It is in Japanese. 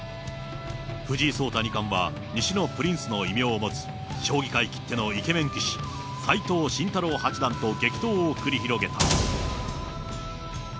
藤井聡太二冠は西のプリンスの異名を持つ、将棋界きってのイケメン棋士、斎藤慎太郎八段と激闘を繰り広げた。